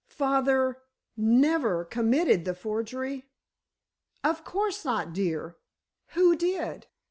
"Father never committed the forgery?" "Of course not, dear." "Who did?"